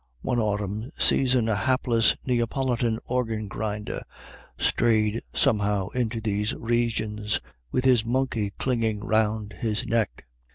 One autumn season a hapless Neapolitan organ grinder strayed somehow into these regions, with his monkey clinging round his neck.